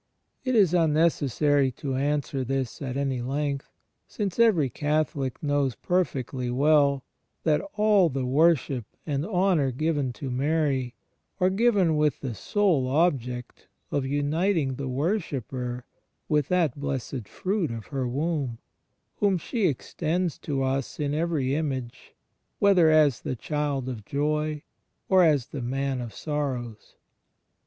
It is imnecessary 78 THE FRIENDSHIP OF CHRIST to answer this at any length, since every Catholic knows perfectly well that all the worship and honour given to Mary are given with the sole object of uniting the wor shipper with that "blessed fruit of her womb," ^ whom she extends to us in every image, whether as the Child of Joy or as the Man of Sorrows.